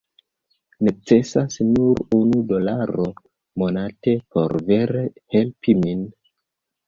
Necesas nur unu dolaro monate por vere helpi min